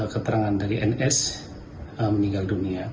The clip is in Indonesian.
keterangan dari ns meninggal dunia